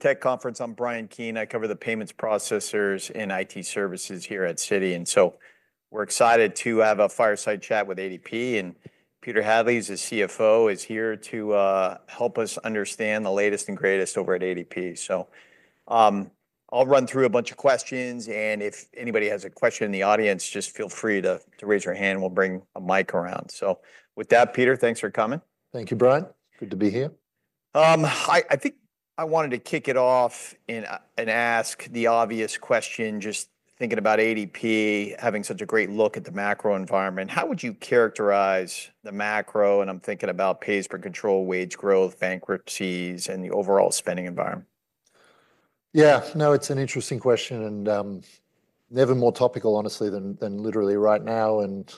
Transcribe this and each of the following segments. Tech conference. I'm Bryan Keane. I cover the Payments Processors and IT Services here at Citi. We're excited to have a fireside chat with ADP, and Peter Hadley, as CFO, is here to help us understand the latest and greatest over at ADP. I'll run through a bunch of questions, and if anybody has a question in the audience, just feel free to raise your hand, and we'll bring a mic around. With that, Peter, thanks for coming. Thank you, Bryan. Good to be here. I think I wanted to kick it off and ask the obvious question, just thinking about ADP having such a great look at the macro environment, how would you characterize the macro? And I'm thinking about Pays Per Control, wage growth, bankruptcies, and the overall spending environment. Yeah. No, it's an interesting question, and never more topical, honestly, than literally right now, and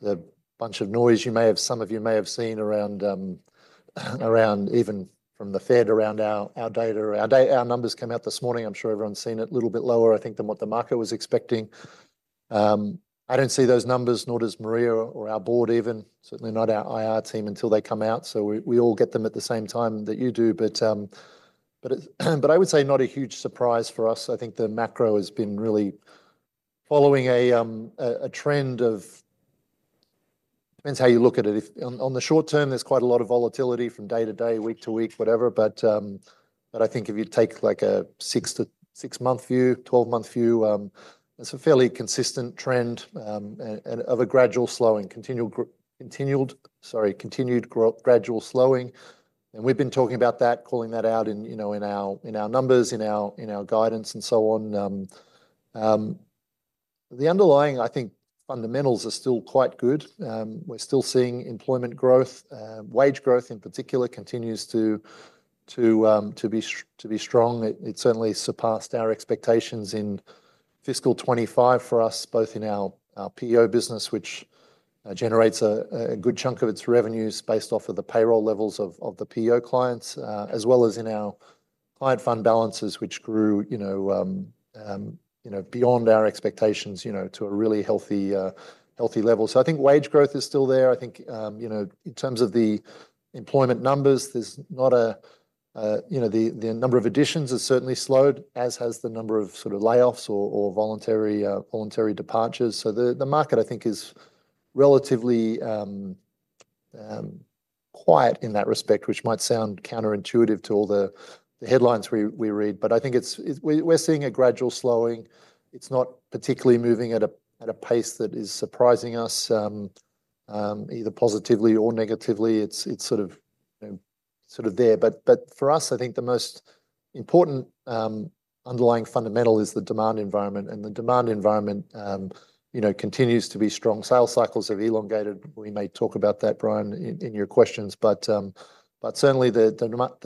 there's a bunch of noise some of you may have seen around even from the Fed around our data. Our numbers came out this morning, I'm sure everyone's seen it, a little bit lower, I think, than what the market was expecting. I don't see those numbers, nor does Maria or our board even, certainly not our IR team, until they come out, so we all get them at the same time that you do. But I would say not a huge surprise for us. I think the macro has been really following a trend of... Depends how you look at it. In the short term, there's quite a lot of volatility from day to day, week to week, whatever, but I think if you take, like, a six-month view, 12-month view, it's a fairly consistent trend and of a gradual slowing, continued gradual slowing. We've been talking about that, calling that out in, you know, in our numbers, in our guidance, and so on. The underlying, I think, fundamentals are still quite good. We're still seeing employment growth, wage growth in particular continues to be strong. It certainly surpassed our expectations in fiscal 2025 for us, both in our PEO business, which generates a good chunk of its revenues based off of the payroll levels of the PEO clients, as well as in our client fund balances, which grew, you know, beyond our expectations, you know, to a really healthy level. So I think wage growth is still there. I think, you know, in terms of the employment numbers, there's not a, you know, the number of additions has certainly slowed, as has the number of sort of layoffs or voluntary departures. So the market, I think, is relatively quiet in that respect, which might sound counterintuitive to all the headlines we read, but I think it's we're seeing a gradual slowing. It's not particularly moving at a pace that is surprising us, either positively or negatively. It's sort of there. But for us, I think the most important underlying fundamental is the demand environment, and the demand environment, you know, continues to be strong. Sales cycles have elongated. We may talk about that, Bryan, in your questions, but certainly the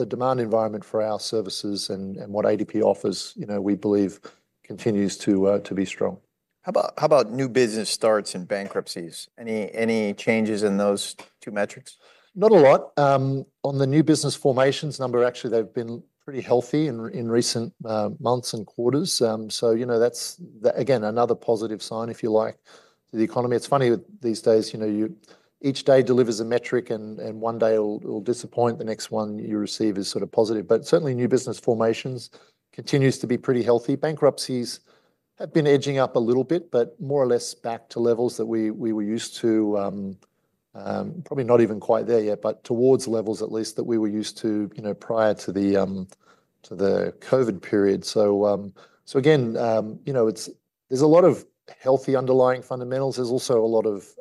demand environment for our services and what ADP offers, you know, we believe continues to be strong. How about new business starts and bankruptcies? Any changes in those two metrics? Not a lot. On the new business formations number, actually, they've been pretty healthy in recent months and quarters. So you know, that's again another positive sign, if you like, the economy. It's funny that these days, you know, each day delivers a metric, and one day it'll disappoint, the next one you receive is sort of positive. But certainly, new business formations continues to be pretty healthy. Bankruptcies have been edging up a little bit, but more or less back to levels that we were used to. Probably not even quite there yet, but towards levels at least that we were used to, you know, prior to the COVID period. So again, you know, there's a lot of healthy underlying fundamentals. There's also a lot of,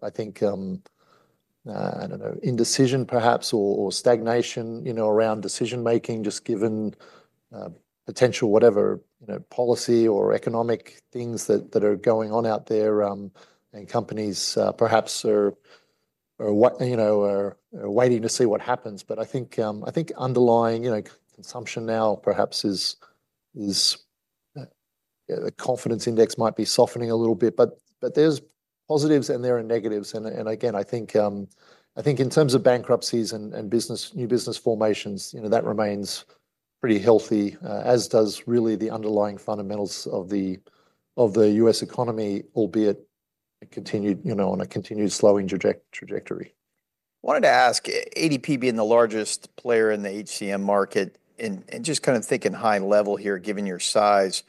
I think, I don't know, indecision perhaps, or, or stagnation, you know, around decision-making, just given, potential, whatever, you know, policy or economic things that, that are going on out there, and companies, perhaps are, you know, are, are waiting to see what happens. But I think, I think underlying, you know, consumption now perhaps is, is. The confidence index might be softening a little bit, but, but there's positives and there are negatives. And, and again, I think, I think in terms of bankruptcies and, and business, new business formations, you know, that remains pretty healthy, as does really the underlying fundamentals of the, of the U.S. economy, albeit it continued, you know, on a continued slowing trajectory. Wanted to ask, ADP being the largest player in the HCM market, and just kind of thinking high level here, given your size,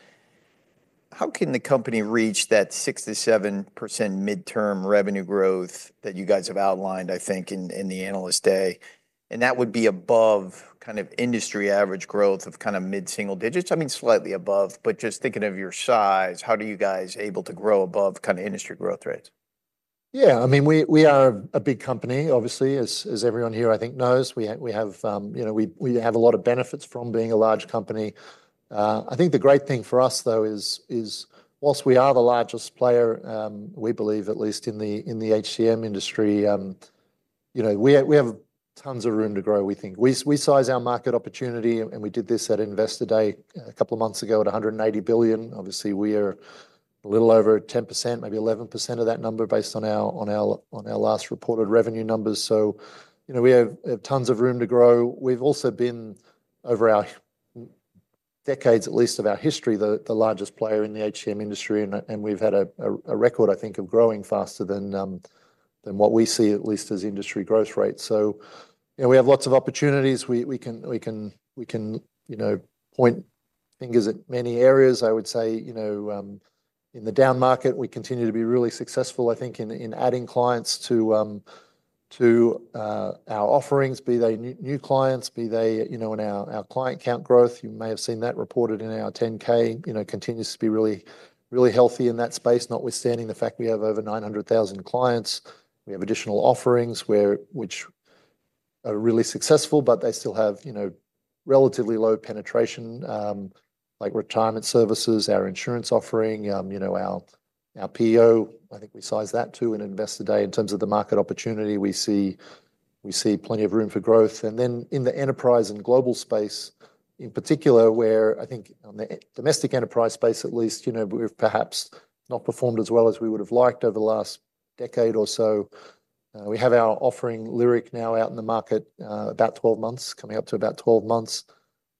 how can the company reach that 6%-7% midterm revenue growth that you guys have outlined, I think, in the Analyst Day? And that would be above kind of industry average growth of kind of mid-single digits. I mean, slightly above, but just thinking of your size, how do you guys able to grow above kind of industry growth rates? Yeah, I mean, we are a big company, obviously, as everyone here, I think, knows. We have you know a lot of benefits from being a large company. I think the great thing for us, though, is while we are the largest player, we believe, at least in the HCM industry, you know, we have tons of room to grow, we think. We size our market opportunity, and we did this at Investor Day a couple of months ago, at $180 billion. Obviously, we are a little over 10%, maybe 11% of that number, based on our last reported revenue numbers. So you know, we have tons of room to grow. We've also been, over our decades, at least, of our history, the largest player in the HCM industry, and we've had a record, I think, of growing faster than what we see, at least, as industry growth rates. So, you know, we have lots of opportunities. We can, you know, point fingers at many areas. I would say, you know, in the down market, we continue to be really successful, I think, in adding clients to our offerings, be they new clients, be they, you know, in our client count growth. You may have seen that reported in our 10-K. You know, continues to be really healthy in that space, notwithstanding the fact we have over 900,000 clients. We have additional offerings, which are really successful, but they still have, you know, relatively low penetration, like retirement services, our insurance offering, you know, our PEO. I think we sized that, too, in Investor Day. In terms of the market opportunity, we see plenty of room for growth. And then, in the enterprise and global space, in particular, where I think on the domestic enterprise space, at least, you know, we've perhaps not performed as well as we would've liked over the last decade or so. We have our offering, Lyric, now out in the market, about 12 months, coming up to about 12 months,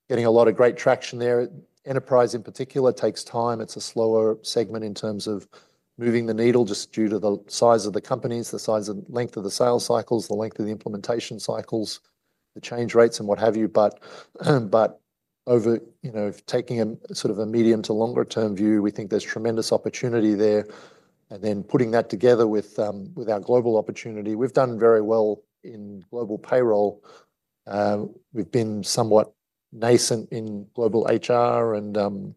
getting a lot of great traction there. Enterprise, in particular, takes time. It's a slower segment in terms of moving the needle, just due to the size of the companies, the size and length of the sales cycles, the length of the implementation cycles, the change rates, and what have you. But over, you know, taking a sort of medium to longer-term view, we think there's tremendous opportunity there. And then, putting that together with our global opportunity, we've done very well in global payroll. We've been somewhat nascent in global HR, and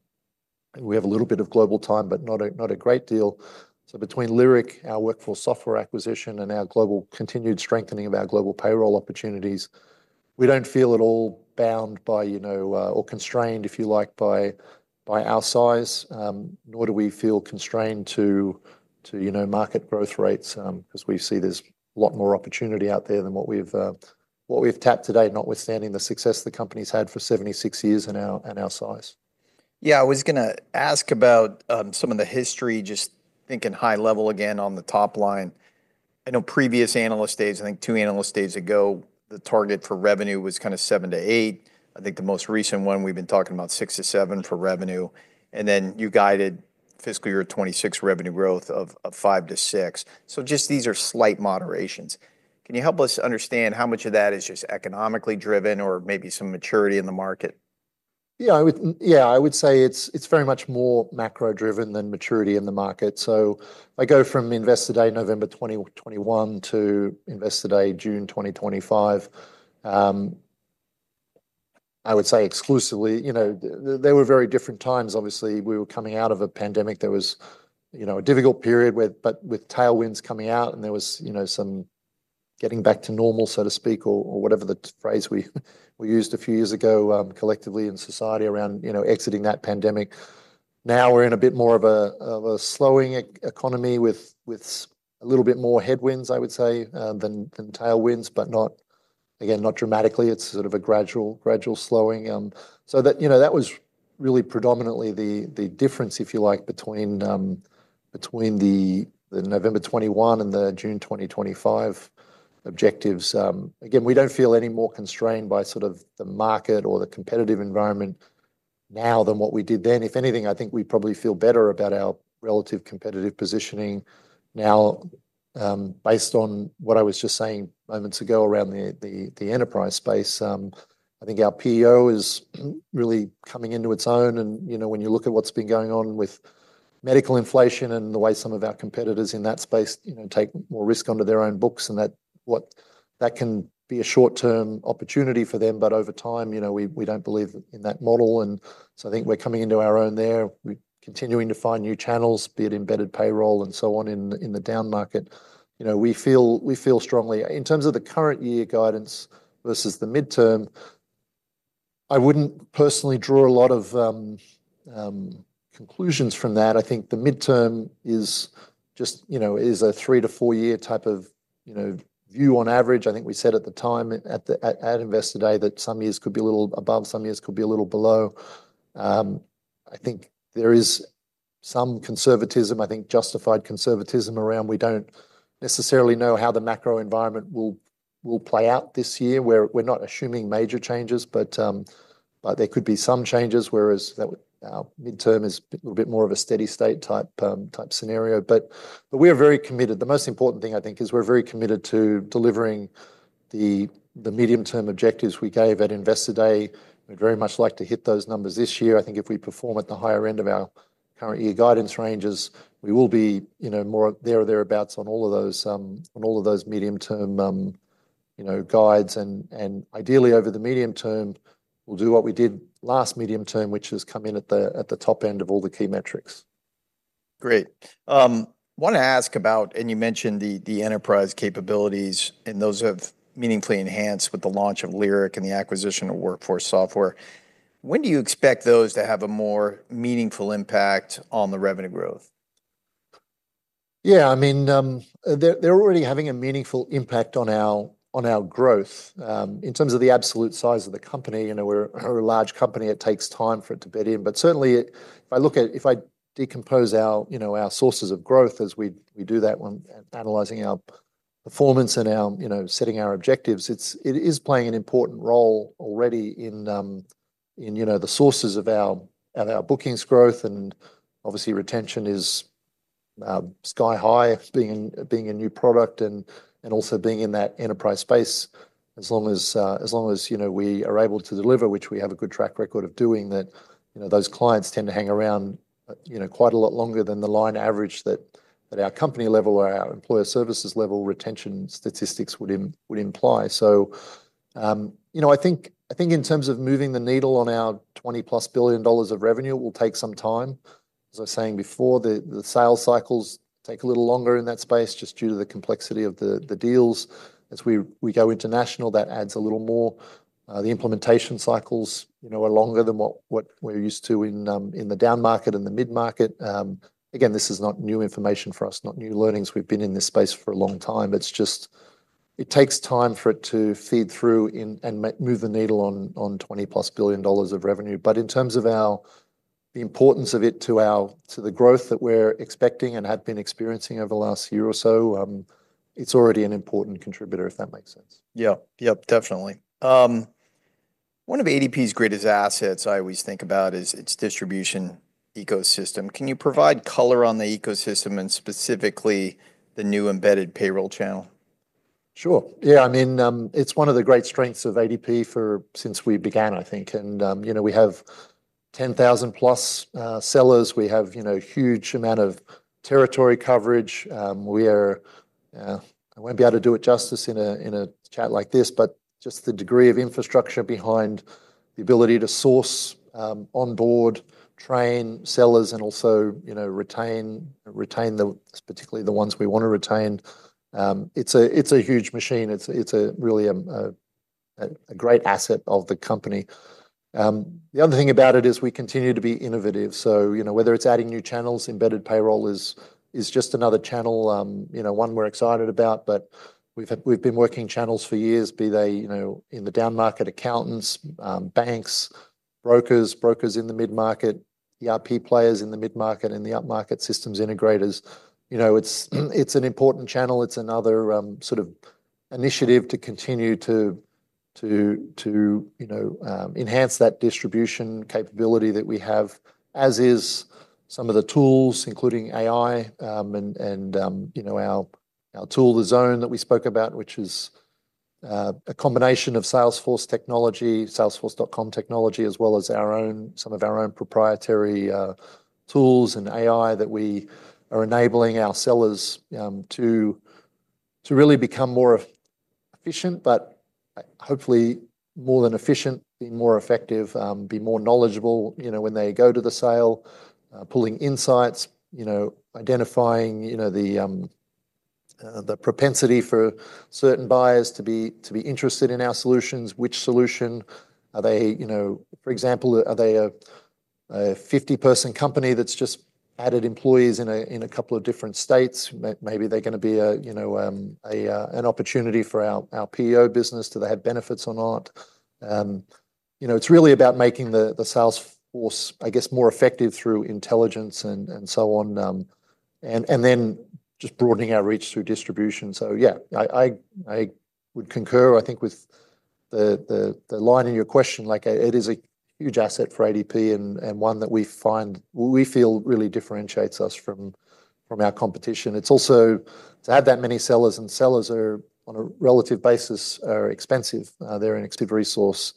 we have a little bit of global team, but not a great deal. So between Lyric, our WorkForce Software acquisition, and our global continued strengthening of our global payroll opportunities, we don't feel at all bound by, you know, or constrained, if you like, by our size. Nor do we feel constrained to, you know, market growth rates, 'cause we see there's a lot more opportunity out there than what we've tapped to date, notwithstanding the success the company's had for seventy-six years and our size. Yeah, I was gonna ask about some of the history, just thinking high level again on the top line. I know previous Analyst Days, I think two Analyst Days ago, the target for revenue was kind of 7%-8%. I think the most recent one, we've been talking about 6%-7% for revenue, and then you guided fiscal year 2026 revenue growth of 5%-6%. So just these are slight moderations. Can you help us understand how much of that is just economically driven or maybe some maturity in the market? Yeah, I would, yeah, I would say it's very much more macro-driven than maturity in the market. So I go from Investor Day, November 2021, to Investor Day, June 2025. I would say exclusively, you know, they were very different times. Obviously, we were coming out of a pandemic. There was, you know, a difficult period but with tailwinds coming out, and there was, you know, some getting back to normal, so to speak, or whatever the phrase we used a few years ago, collectively in society around, you know, exiting that pandemic. Now, we're in a bit more of a slowing economy with a little bit more headwinds, I would say, than tailwinds, but not, again, not dramatically. It's sort of a gradual slowing. So that, you know, that was really predominantly the difference, if you like, between the November 2021 and the June 2025 objectives. Again, we don't feel any more constrained by sort of the market or the competitive environment now than what we did then. If anything, I think we probably feel better about our relative competitive positioning now, based on what I was just saying moments ago around the enterprise space. I think our PEO is really coming into its own, and, you know, when you look at what's been going on with medical inflation and the way some of our competitors in that space, you know, take more risk onto their own books, and that can be a short-term opportunity for them. But over time, you know, we don't believe in that model, and so I think we're coming into our own there. We're continuing to find new channels, be it Embedded Payroll and so on, in the downmarket. You know, we feel strongly. In terms of the current year guidance versus the midterm, I wouldn't personally draw a lot of conclusions from that. I think the midterm is just, you know, a three-to-four-year type of, you know, view on average. I think we said at the time, at Investor Day, that some years could be a little above, some years could be a little below. I think there is some conservatism, I think justified conservatism around we don't necessarily know how the macro environment will play out this year, where we're not assuming major changes, but there could be some changes, whereas that our midterm is a bit more of a steady-state type scenario. But we are very committed. The most important thing, I think, is we're very committed to delivering the medium-term objectives we gave at Investor Day. We'd very much like to hit those numbers this year. I think if we perform at the higher end of our current year guidance ranges, we will be, you know, more there or thereabouts on all of those medium-term guides. Ideally, over the medium term, we'll do what we did last medium term, which is come in at the top end of all the key metrics. Great. I wanna ask about... And you mentioned the enterprise capabilities, and those have meaningfully enhanced with the launch of Lyric and the acquisition of WorkForce Software. When do you expect those to have a more meaningful impact on the revenue growth? Yeah, I mean, they're, they're already having a meaningful impact on our, on our growth. In terms of the absolute size of the company, you know, we're a large company, it takes time for it to bed in. But certainly, if I look at, if I decompose our, you know, our sources of growth as we, we do that when analyzing our performance and our, you know, setting our objectives, it's, it is playing an important role already in, in, you know, the sources of our, of our bookings growth, and obviously, retention is sky high, being, being a new product and, and also being in that enterprise space. As long as, as long as, you know, we are able to deliver, which we have a good track record of doing, that, you know, those clients tend to hang around, you know, quite a lot longer than the line average that, at our company level or our Employer Services level, retention statistics would imply. So, you know, I think in terms of moving the needle on our $20+ billion of revenue, it will take some time. As I was saying before, the sales cycles take a little longer in that space, just due to the complexity of the deals. As we go international, that adds a little more. The implementation cycles, you know, are longer than what we're used to in the downmarket and the midmarket. Again, this is not new information for us, not new learnings. We've been in this space for a long time. It's just, it takes time for it to feed through and move the needle on $20+ billion of revenue, but in terms of the importance of it to the growth that we're expecting and have been experiencing over the last year or so, it's already an important contributor, if that makes sense. Yeah. Yep, definitely. One of ADP's greatest assets I always think about is its distribution ecosystem. Can you provide color on the ecosystem, and specifically, the new Embedded Payroll channel? Sure. Yeah, I mean, it's one of the great strengths of ADP since we began, I think, and, you know, we have 10,000+ sellers. We have, you know, huge amount of territory coverage. We are, I won't be able to do it justice in a chat like this, but just the degree of infrastructure behind the ability to source, onboard, train sellers, and also, you know, retain the, particularly the ones we want to retain. It's a huge machine. It's a really great asset of the company. The other thing about it is we continue to be innovative. You know, whether it's adding new channels, Embedded Payroll is just another channel, you know, one we're excited about. But we've been working channels for years, be they, you know, in the downmarket, accountants, banks, brokers in the mid-market, ERP players in the mid-market and the upmarket systems integrators. You know, it's an important channel. It's another, sort of initiative to continue to, you know, enhance that distribution capability that we have, as is some of the tools, including AI, and, you know, our tool, The Zone, that we spoke about, which is, a combination of Salesforce technology, Salesforce.com technology, as well as our own, some of our own proprietary, tools and AI that we are enabling our sellers, to really become more efficient, but hopefully, more than efficient, be more effective, be more knowledgeable, you know, when they go to the sale, pulling insights, you know, identifying, the propensity for certain buyers to be interested in our solutions. Which solution are they... You know, for example, are they a 50-person company that's just added employees in a couple of different states? Maybe they're gonna be a, you know, an opportunity for our PEO business. Do they have benefits or not? You know, it's really about making the sales force, I guess, more effective through intelligence and so on, and then just broadening our reach through distribution. So yeah, I would concur, I think, with the line in your question, like, it is a huge asset for ADP, and one that we find we feel really differentiates us from our competition. It's also to have that many sellers, and sellers are, on a relative basis, expensive. They're an expensive resource,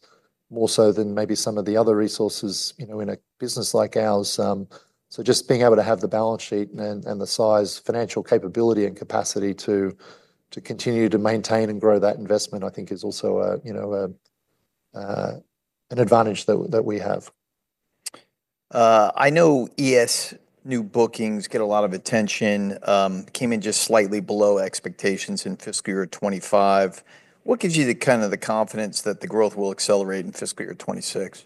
more so than maybe some of the other resources, you know, in a business like ours, so just being able to have the balance sheet and the size, financial capability, and capacity to continue to maintain and grow that investment. I think is also, you know, an advantage that we have. I know ES new bookings get a lot of attention, came in just slightly below expectations in fiscal year 2025. What gives you the kind of confidence that the growth will accelerate in fiscal year 2026?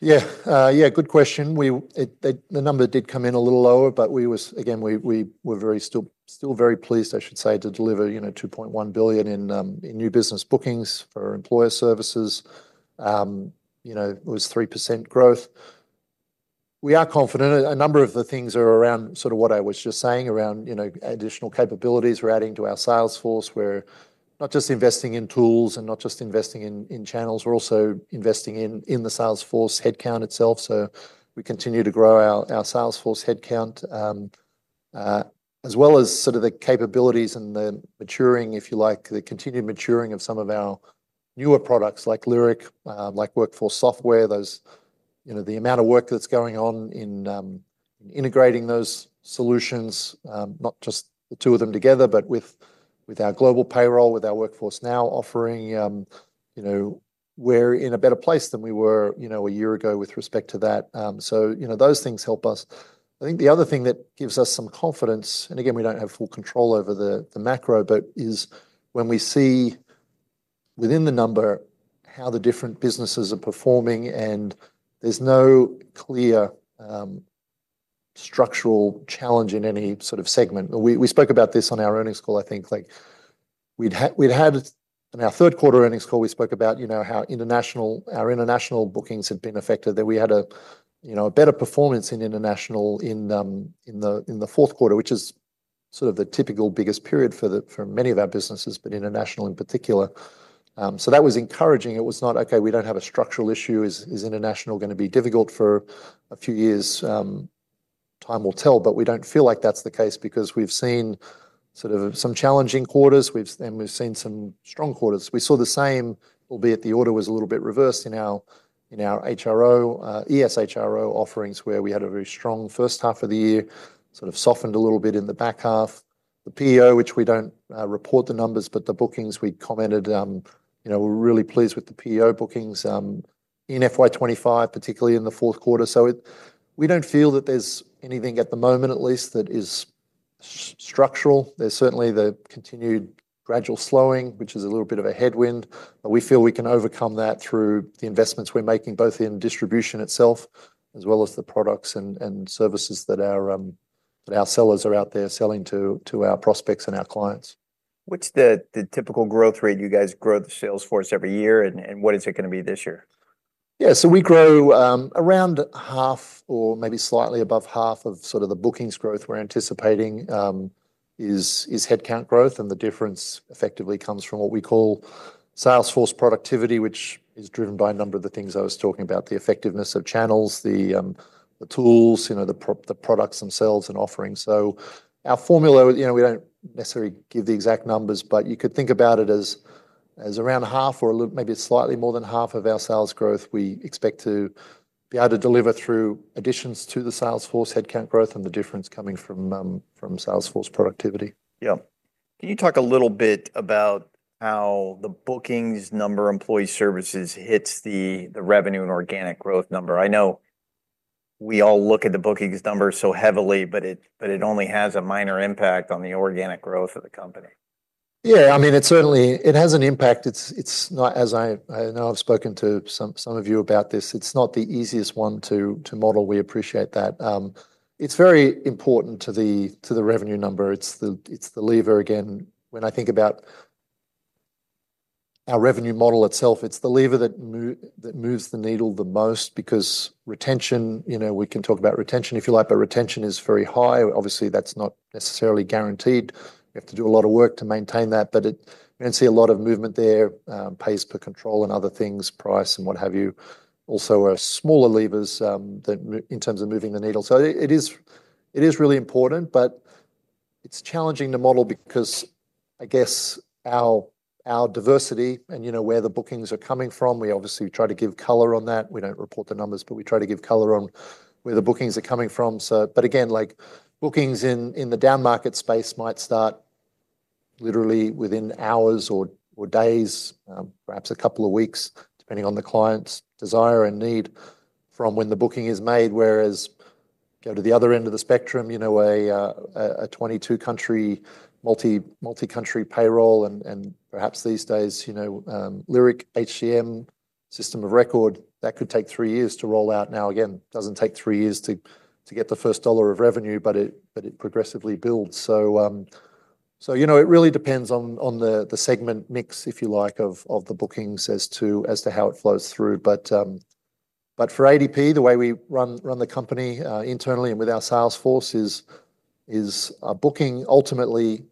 Yeah, yeah, good question. We, it, the number did come in a little lower, but we were, again, still very pleased, I should say, to deliver, you know, $2.1 billion in new business bookings for our Employer Services. You know, it was 3% growth. We are confident. A number of the things are around sort of what I was just saying, around, you know, additional capabilities we're adding to our sales force. We're not just investing in tools and not just investing in channels, we're also investing in the sales force headcount itself. So we continue to grow our sales force headcount, as well as sort of the capabilities and the maturing, if you like, the continued maturing of some of our newer products, like Lyric, like WorkForce Software, those... You know, the amount of work that's going on in integrating those solutions, not just the two of them together, but with, with our global payroll, with our Workforce Now offering, you know, we're in a better place than we were, you know, a year ago with respect to that. So, you know, those things help us. I think the other thing that gives us some confidence, and again, we don't have full control over the, the macro, but is when we see within the number, how the different businesses are performing, and there's no clear, structural challenge in any sort of segment. We spoke about this on our earnings call, I think, like, in our third quarter earnings call, we spoke about, you know, how our international bookings had been affected, that we had a, you know, a better performance in international in the fourth quarter, which is sort of the typical biggest period for many of our businesses, but international in particular. So that was encouraging. It was not, okay, we don't have a structural issue. Is international gonna be difficult for a few years? Time will tell, but we don't feel like that's the case because we've seen sort of some challenging quarters and we've seen some strong quarters. We saw the same, albeit the order was a little bit reversed in our HRO, ES HRO offerings, where we had a very strong first half of the year, sort of softened a little bit in the back half. The PEO, which we don't report the numbers, but the bookings we commented, you know, we're really pleased with the PEO bookings in FY 2025, particularly in the fourth quarter. So we don't feel that there's anything, at the moment at least, that is structural. There's certainly the continued gradual slowing, which is a little bit of a headwind, but we feel we can overcome that through the investments we're making, both in distribution itself, as well as the products and services that our sellers are out there selling to our prospects and our clients. What's the typical growth rate you guys grow the sales force every year, and what is it gonna be this year? Yeah, so we grow around half or maybe slightly above half of sort of the bookings growth we're anticipating is headcount growth, and the difference effectively comes from what we call sales force productivity, which is driven by a number of the things I was talking about, the effectiveness of channels, the tools, you know, the products themselves, and offerings. So our formula, you know, we don't necessarily give the exact numbers, but you could think about it as around half or maybe slightly more than half of our sales growth, we expect to be able to deliver through additions to the sales force, headcount growth, and the difference coming from sales force productivity. Yeah. Can you talk a little bit about how the bookings number, Employer Services, hits the revenue and organic growth number? I know we all look at the bookings numbers so heavily, but it only has a minor impact on the organic growth of the company. Yeah, I mean, it certainly has an impact. It's not, as I know I've spoken to some of you about this, it's not the easiest one to model. We appreciate that. It's very important to the revenue number. It's the lever, again, when I think about our revenue model itself, it's the lever that moves the needle the most, because retention, you know, we can talk about retention if you like, but retention is very high. Obviously, that's not necessarily guaranteed. We have to do a lot of work to maintain that, but we don't see a lot of movement there. Pays per control and other things, price and what have you, also are smaller levers that in terms of moving the needle. So it is really important, but it's challenging to model because I guess our diversity and you know where the bookings are coming from. We obviously try to give color on that. We don't report the numbers, but we try to give color on where the bookings are coming from. But again, like, bookings in the downmarket space might start literally within hours or days, perhaps a couple of weeks, depending on the client's desire and need from when the booking is made, whereas go to the other end of the spectrum, you know, a twenty-two country, multi-country payroll and perhaps these days, you know, Lyric HCM system of record, that could take three years to roll out. Now, again, doesn't take three years to get the first dollar of revenue, but it progressively builds. So, you know, it really depends on the segment mix, if you like, of the bookings as to how it flows through. But for ADP, the way we run the company internally and with our sales force is a booking ultimately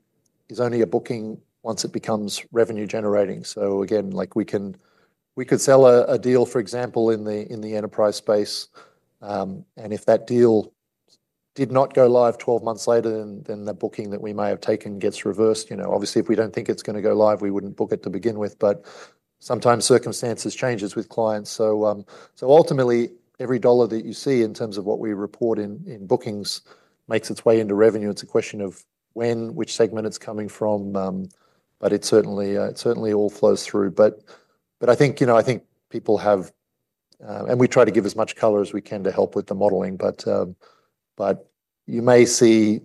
is only a booking once it becomes revenue generating. So again, like, we can, we could sell a deal, for example, in the enterprise space, and if that deal did not go live twelve months later, then the booking that we may have taken gets reversed. You know, obviously, if we don't think it's gonna go live, we wouldn't book it to begin with, but sometimes circumstances changes with clients. Ultimately, every dollar that you see in terms of what we report in bookings makes its way into revenue. It's a question of when, which segment it's coming from, but it certainly all flows through. I think, you know, people have, and we try to give as much color as we can to help with the modeling, but you may see,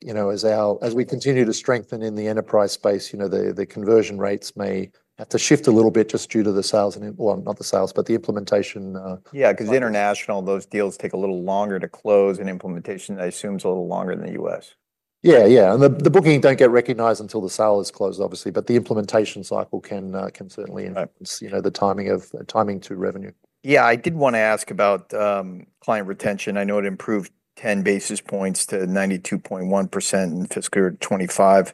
you know, as we continue to strengthen in the enterprise space, you know, the conversion rates may have to shift a little bit just due to the sales and, well, not the sales, but the implementation. Yeah, 'cause international, those deals take a little longer to close, and implementation, I assume, is a little longer than the U.S. Yeah, yeah. And the booking don't get recognized until the sale is closed, obviously, but the implementation cycle can, can certainly influence- Right... you know, the timing to revenue. Yeah, I did want to ask about client retention. I know it improved ten basis points to 92.1% in fiscal year 2025.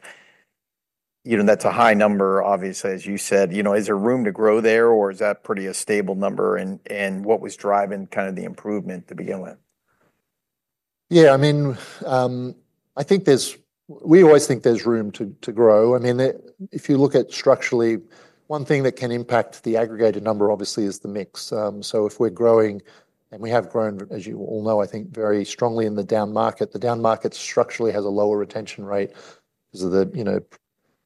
You know, that's a high number, obviously, as you said. You know, is there room to grow there, or is that pretty stable number, and what was driving kind of the improvement to begin with? Yeah, I mean, I think there's. We always think there's room to grow. I mean, if you look at structurally, one thing that can impact the aggregated number, obviously, is the mix. So if we're growing, and we have grown, as you all know, I think very strongly in the downmarket. The downmarket structurally has a lower retention rate because of the, you know,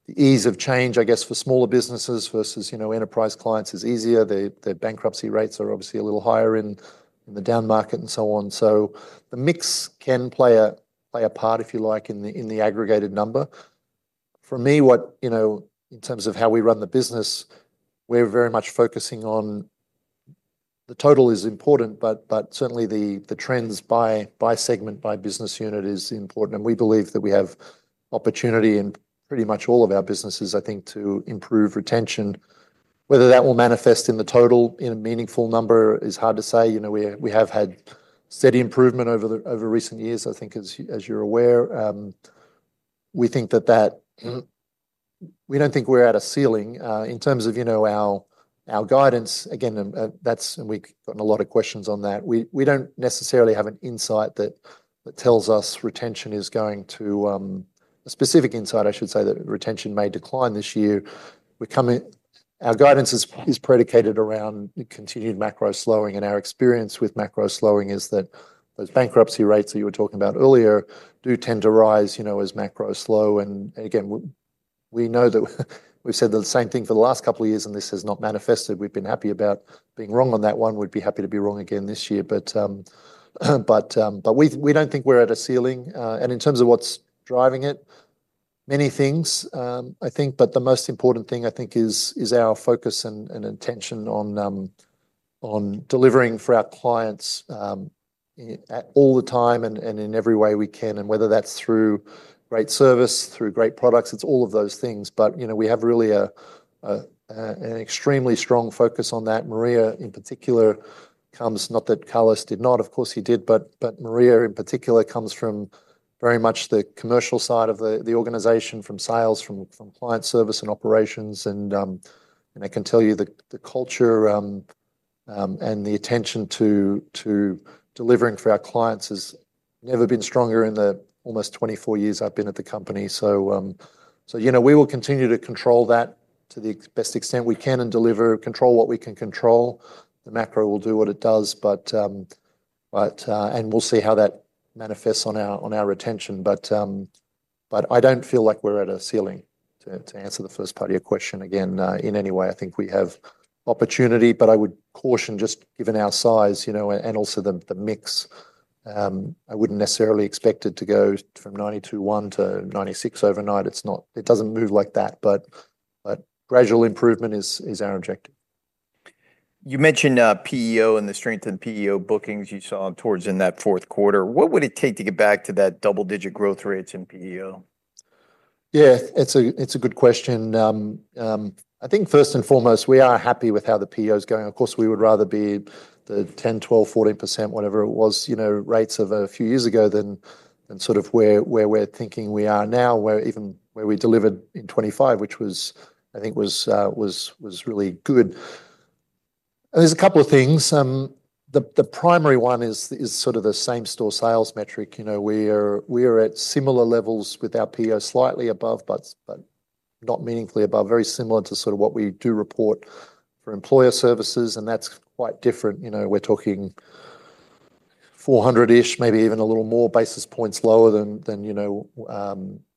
the ease of change, I guess, for smaller businesses versus, you know, enterprise clients is easier. The bankruptcy rates are obviously a little higher in the downmarket and so on. So the mix can play a part, if you like, in the aggregated number. For me, you know, in terms of how we run the business, we're very much focusing on... The total is important, but certainly, the trends by segment, by business unit is important. And we believe that we have opportunity in pretty much all of our businesses, I think, to improve retention, whether that will manifest in the total in a meaningful number is hard to say. You know, we have had steady improvement over recent years, I think, as you're aware. We think that we don't think we're at a ceiling in terms of, you know, our guidance. Again, that's, and we've gotten a lot of questions on that. We don't necessarily have an insight that tells us retention is going to... A specific insight, I should say, that retention may decline this year. Our guidance is predicated around the continued macro slowing, and our experience with macro slowing is that those bankruptcy rates that you were talking about earlier do tend to rise, you know, as macro slow. Again, we know that we've said the same thing for the last couple of years, and this has not manifested. We've been happy about being wrong on that one. We'd be happy to be wrong again this year, but we don't think we're at a ceiling. And in terms of what's driving it, many things, I think, but the most important thing, I think, is our focus and intention on delivering for our clients at all the time and in every way we can, and whether that's through great service, through great products, it's all of those things. But, you know, we have really an extremely strong focus on that. Maria, in particular, comes, not that Carlos did not. Of course, he did, but Maria, in particular, comes from very much the commercial side of the organization, from sales, from client service and operations. And I can tell you that the culture and the attention to delivering for our clients has never been stronger in the almost twenty-four years I've been at the company. You know, we will continue to control that to the best extent we can and deliver, control what we can control. The macro will do what it does, but and we'll see how that manifests on our retention. But I don't feel like we're at a ceiling, to answer the first part of your question again, in any way. I think we have opportunity, but I would caution, just given our size, you know, and also the mix. I wouldn't necessarily expect it to go from 92.1 to 96 overnight. It's not. It doesn't move like that, but gradual improvement is our objective. You mentioned PEO and the strength in PEO bookings you saw towards in that fourth quarter. What would it take to get back to that double-digit growth rates in PEO? Yeah, it's a good question. I think first and foremost, we are happy with how the PEO is going. Of course, we would rather be the 10%, 12%, 14%, whatever it was, you know, rates of a few years ago than sort of where we're thinking we are now, where even we delivered in 2025, which was, I think, really good. There's a couple of things. The primary one is sort of the same-store sales metric. You know, we are at similar levels with our PEO, slightly above, but not meaningfully above. Very similar to sort of what we do report for Employer Services, and that's quite different. You know, we're talking 400-ish, maybe even a little more basis points lower than, you know,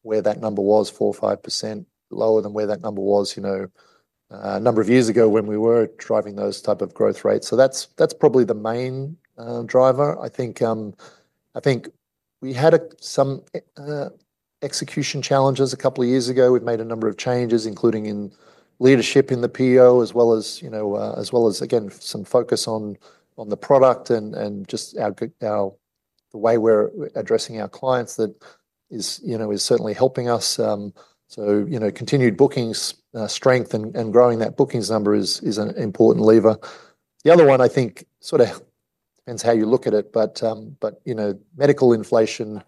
where that number was, 4% or 5% lower than where that number was, you know, a number of years ago when we were driving those type of growth rates. So that's probably the main driver. I think we had some execution challenges a couple of years ago. We've made a number of changes, including in leadership in the PEO, as well as, you know, some focus on the product and just the way we're addressing our clients that is, you know, is certainly helping us. So, you know, continued bookings strength, and growing that bookings number is an important lever. The other one, I think, sort of depends how you look at it, but, but, you know, medical inflation,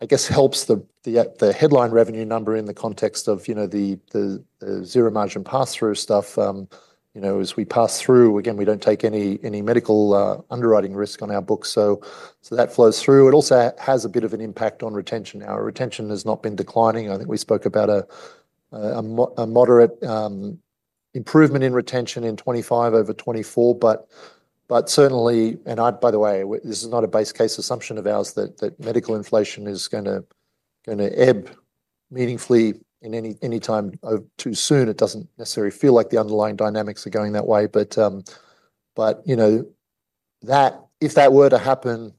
I guess, helps the, the, the headline revenue number in the context of, you know, the, the, zero margin pass-through stuff. You know, as we pass through, again, we don't take any, any medical, underwriting risk on our books, so, so that flows through. It also has a bit of an impact on retention. Our retention has not been declining. I think we spoke about a, a moderate, improvement in retention in 2025 over 2024, but, but certainly, and I-- by the way, this is not a base case assumption of ours that, that medical inflation is gonna, gonna ebb meaningfully in any, anytime, too soon. It doesn't necessarily feel like the underlying dynamics are going that way, but, you know, that if that were to happen,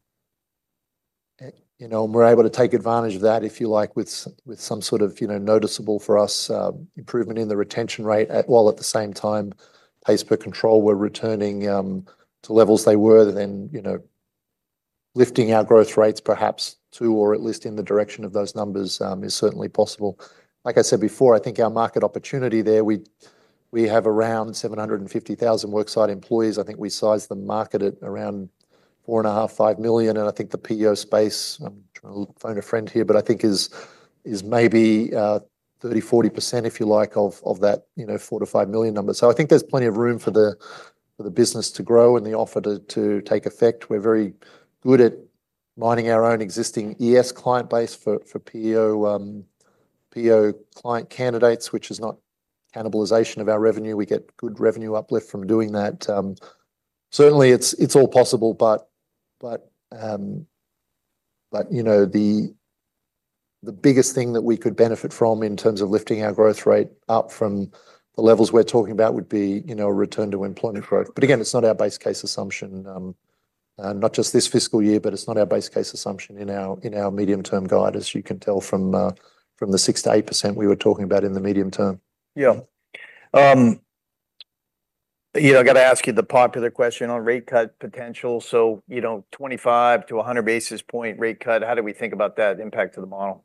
you know, and we're able to take advantage of that, if you like, with some sort of, you know, noticeable for us, improvement in the retention rate, while at the same time, Pays Per Control, we're returning to levels they were, then, you know, lifting our growth rates, perhaps to or at least in the direction of those numbers, is certainly possible. Like I said before, I think our market opportunity there, we have around seven hundred and fifty thousand worksite employees. I think we sized the market at around 4.5 milion-5 million, and I think the PEO space, I'm trying to look, phone a friend here, but I think is maybe 30%-40%, if you like, of that, you know, four to five million numbers. So I think there's plenty of room for the business to grow and the offer to take effect. We're very good at mining our own existing ES client base for PEO client candidates, which is not cannibalization of our revenue. We get good revenue uplift from doing that. Certainly, it's all possible, but you know, the biggest thing that we could benefit from in terms of lifting our growth rate up from the levels we're talking about would be, you know, a return to employment growth. But again, it's not our base case assumption, not just this fiscal year, but it's not our base case assumption in our medium-term guide, as you can tell from the 6%-8% we were talking about in the medium term. Yeah. You know, I gotta ask you the popular question on rate cut potential. So, you know, 2025 to a hundred basis point rate cut, how do we think about that impact to the model?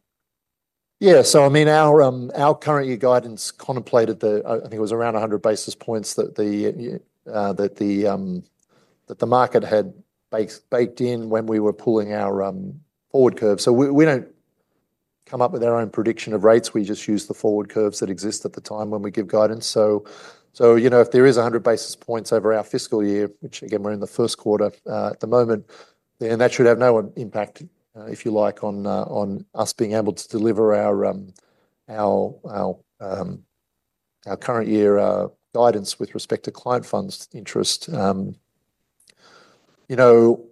Yeah, so I mean, our current year guidance contemplated the, I think it was around a hundred basis points that the market had baked in when we were pulling our forward curve. So we don't come up with our own prediction of rates, we just use the forward curves that exist at the time when we give guidance. You know, if there is a hundred basis points over our fiscal year, which again, we're in the first quarter at the moment, then that should have no impact, if you like, on us being able to deliver our current year guidance with respect to Client Funds Interest. You know,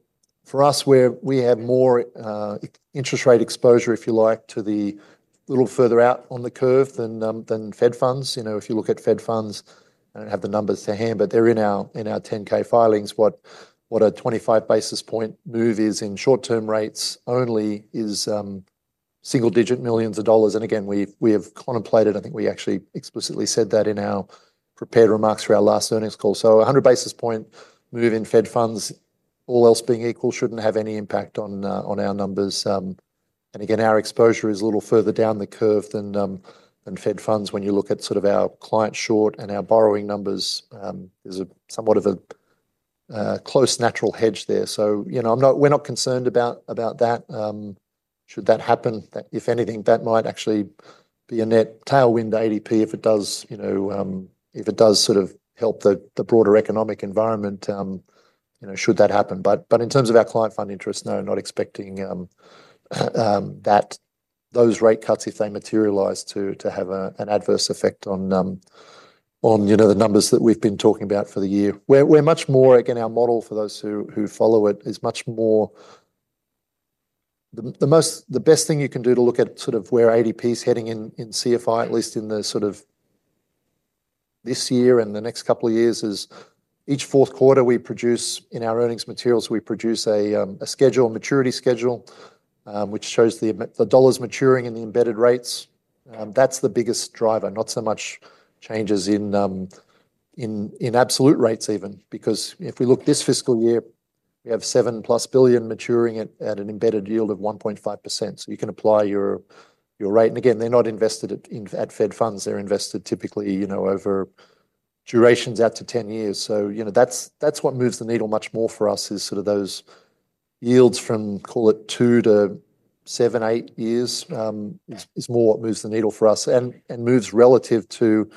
for us, we have more interest rate exposure, if you like, to the little further out on the curve than Fed Funds. You know, if you look at Fed Funds, I don't have the numbers to hand, but they're in our 10-K filings, what a 25 basis point move in short-term rates only is single-digit millions of dollars. And again, we have contemplated. I think we actually explicitly said that in our prepared remarks for our last earnings call. So a hundred basis point move in Fed Funds, all else being equal, shouldn't have any impact on our numbers. And again, our exposure is a little further down the curve than than Fed Funds when you look at sort of our Client Short and our borrowing numbers, is a somewhat of a close natural hedge there. So, you know, I'm not. We're not concerned about that. Should that happen, if anything, that might actually be a net tailwind to ADP, if it does, you know, if it does sort of help the broader economic environment, you know, should that happen. But in terms of our Client Funds Interest, no, not expecting that those rate cuts, if they materialize, to have an adverse effect on, you know, the numbers that we've been talking about for the year. We're much more, again, our model for those who follow it, is much more. The best thing you can do to look at sort of where ADP's heading in CFI, at least in this year and the next couple of years, is each fourth quarter we produce, in our earnings materials, we produce a schedule, a maturity schedule, which shows the dollars maturing and the embedded rates. That's the biggest driver, not so much changes in absolute rates even. Because if we look this fiscal year, we have $7+billion maturing at an embedded yield of 1.5%. So you can apply your rate. And again, they're not invested at Fed Funds, they're invested typically, you know, over durations out to 10 years. So, you know, that's, that's what moves the needle much more for us, is sort of those yields from, call it, two to seven, eight years is more what moves the needle for us, and moves relative to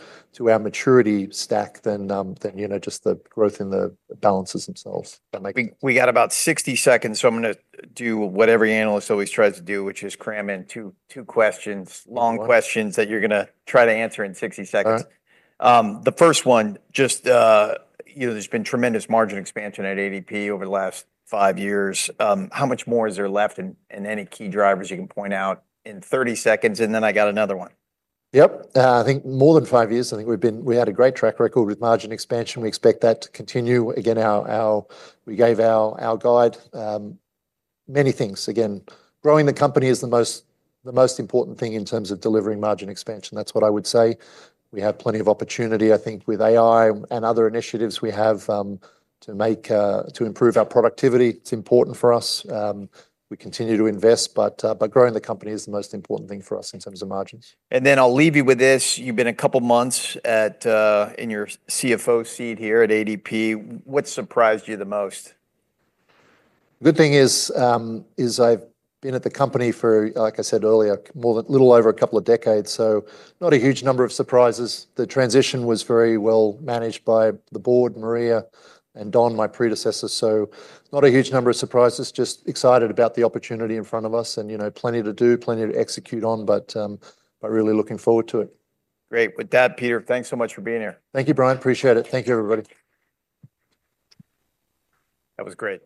our maturity stack than you know, just the growth in the balances themselves. We got about 60 seconds, so I'm gonna do what every analyst always tries to do, which is cram in two questions, long questions- All right... that you're gonna try to answer in sixty seconds. All right. The first one, just, you know, there's been tremendous margin expansion at ADP over the last five years. How much more is there left, and any key drivers you can point out in thirty seconds, and then I got another one. Yep. I think more than five years, I think we've had a great track record with margin expansion. We expect that to continue. Again, we gave our guidance, many things. Again, growing the company is the most important thing in terms of delivering margin expansion. That's what I would say. We have plenty of opportunity, I think, with AI and other initiatives we have, to improve our productivity. It's important for us. We continue to invest, but growing the company is the most important thing for us in terms of margins. And then I'll leave you with this. You've been a couple of months in your CFO seat here at ADP, what surprised you the most? The good thing is, I've been at the company for, like I said earlier, more than a little over a couple of decades, so not a huge number of surprises. The transition was very well managed by the board, Maria and Don, my predecessor, so not a huge number of surprises, just excited about the opportunity in front of us, and, you know, plenty to do, plenty to execute on, but really looking forward to it. Great. With that, Peter, thanks so much for being here. Thank you, Bryan. Appreciate it. Thank you, everybody. That was great.